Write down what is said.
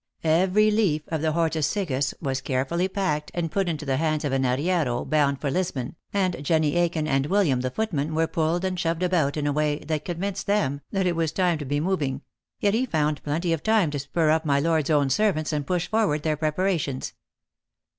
Every leaf of the kortus siccus was carefully packed, and put into the hands of an ar riero, bound for Lisbon, and Jenny Aiken and "Wil liam, the footman, were pulled and shoved about in a way that convinced them that it was time to be moving ; yet he found plenty of time to spur up my lord s own servants, and push forward their prepara tions.